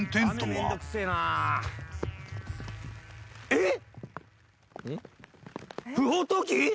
えっ！？